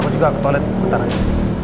aku juga ke toilet sebentar aja